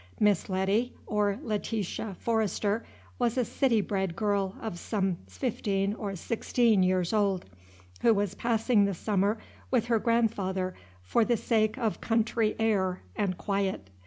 Miss Letty or Letitia Forrester was a city bred girl of some fifteen or sixteen years old, who was passing the summer with her grandfather for the sake of country air and quiet.